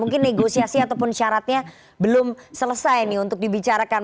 mungkin negosiasi ataupun syaratnya belum selesai nih untuk dibicarakan